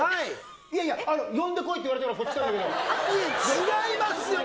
いやいや、呼んでこいって言われたから来たんだけど。違いますよ。